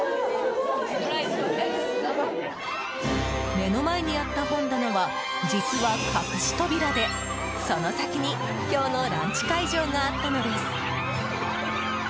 目の前にあった本棚は実は隠し扉でその先に今日のランチ会場があったのです。